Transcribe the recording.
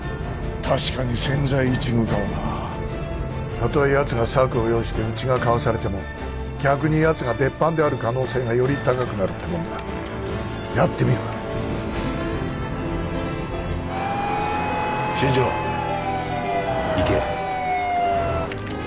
確かに千載一遇かもなたとえやつが策を用意してうちがかわされても逆にやつが別班である可能性がより高くなるってもんだやってみるか新庄行け